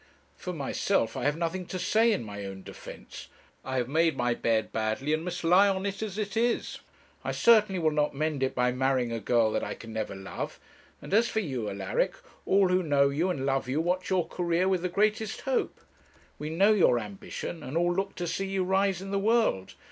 For myself, I have nothing to say in my own defence. I have made my bed badly, and must lie on it as it is. I certainly will not mend it by marrying a girl that I can never love. And as for you, Alaric, all who know you and love you watch your career with the greatest hope. We know your ambition, and all look to see you rise in the world.